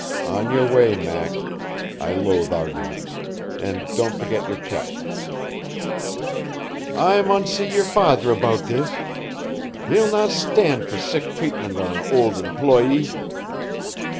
"On your way, Mac. I loathe arguments. And don't forget your check." "I maun see yer faither aboot this. He'll nae stand for sic treatment o' an auld employee."